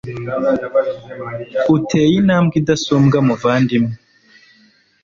uteye intambwe idasumbwa muvandimwe